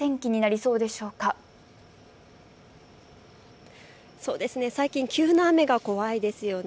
そうですね、最近急な雨が怖いですよね。